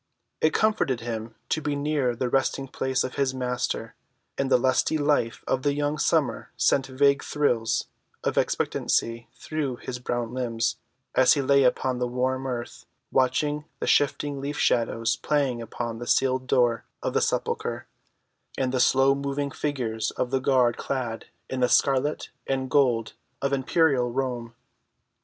It comforted him to be near the resting‐place of his Master; and the lusty life of the young summer sent vague thrills of expectancy through his brown limbs, as he lay upon the warm earth watching the shifting leaf‐shadows playing upon the sealed door of the sepulchre, and the slow‐moving figures of the guard clad in the scarlet and gold of imperial Rome.